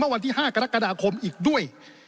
วันที่๕กรกฎาคมอีกด้วย